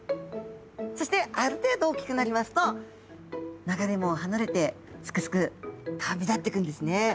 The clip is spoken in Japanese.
そしてある程度大きくなりますと流れ藻を離れてすくすく旅立っていくんですね。